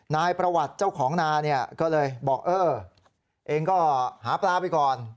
นายประวัติเจ้าของนาเนี่ยก็เลยบอกเออเองก็หาปลาไปก่อน